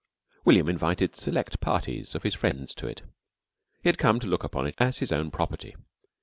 William invited select parties of his friends to it. He had come to look upon it as his own property.